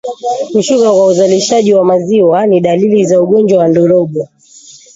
Kushuka kwa uzalishaji wa maziwa ni dalili za ugonjwa wa ndorobo